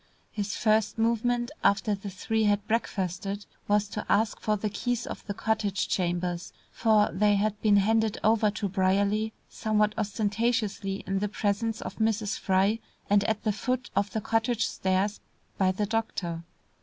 His first movement after the three had breakfasted, was to ask for the keys of the cottage chambers, for they had been handed over to Brierly somewhat ostentatiously in the presence of Mrs. Fry and at the foot of the cottage stairs, by the doctor.